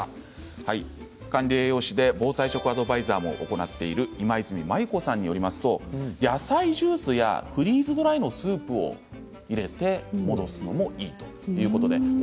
管理栄養士で防災食アドバイザーの今泉マユ子さんによりますと野菜ジュースやフリーズドライのスープなどを入れて戻すのもよいということです。